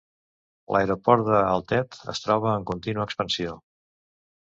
L'aeroport de l'Altet es troba en contínua expansió.